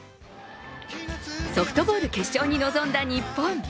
ソフトボール決勝に臨んだ日本。